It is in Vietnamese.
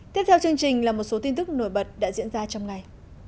tiếp theo chương trình là một số tin tức nổi bật đã diễn ra trong ngày